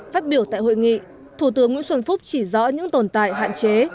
phát biểu tại hội nghị thủ tướng nguyễn xuân phúc chỉ rõ những tồn tại hạn chế